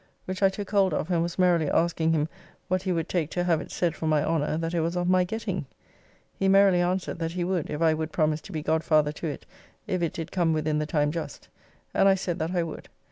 Which I took hold of and was merrily asking him what he would take to have it said for my honour that it was of my getting? He merrily answered that he would if I would promise to be godfather to it if it did come within the time just, and I said that I would.